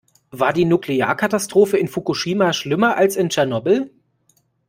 War die Nuklearkatastrophe in Fukushima schlimmer als in Tschernobyl?